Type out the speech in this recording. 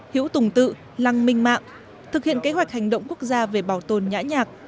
hữu tùng tự lăng minh mạng thực hiện kế hoạch hành động quốc gia về bảo tồn nhã nhạc